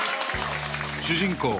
主人公